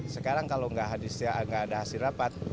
sekarang kalau nggak ada hasil rapat